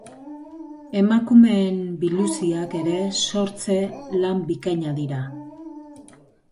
Emakumeen biluziak ere sortze lan bikainak dira.